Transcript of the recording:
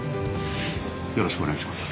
よろしくお願いします。